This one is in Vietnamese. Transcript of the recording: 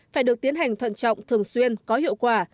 phải được tiến hành thận trọng thường xuyên có hiệu quả